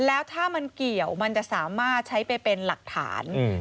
แล้วถ้ามันเกี่ยวมันจะสามารถใช้ไปเป็นหลักฐาน